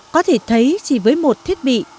có thể thấy chỉ với một thiết bị